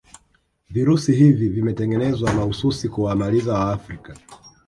virusi hivi vimetengenezwa mahususi kuwamaliza waafrika